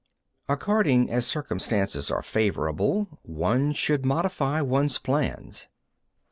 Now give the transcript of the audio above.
17. According as circumstances are favourable, one should modify one's plans.